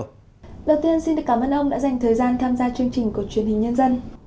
đầu tiên xin cảm ơn ông đã dành thời gian tham gia chương trình của truyền hình nhân dân